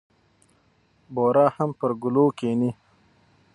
بورا هم پر ګلو کېني.